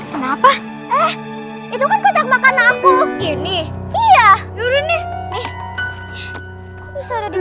kenapa itu kan kocok makanan aku ini iya yuk nih